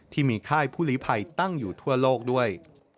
ที่มีค่ายผู้หลีภัยตั้งอยู่ทั่วโลกด้วย